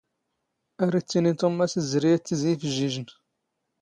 ⴰⵔ ⵉⵜⵜⵉⵏⵉ ⵜⵓⵎⴰ ⵎⴰⵙ ⵉⵣⵣⵔⵉ ⵢⴰⵜ ⵜⵉⵣⵉ ⵉⴼⵊⵊⵉⵊⵏ.